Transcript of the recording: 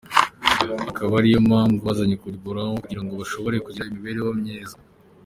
Akaba ariyo mpamvu bazanywe kugororwa kugira ngo bashobore kuzagira imibereho myiza.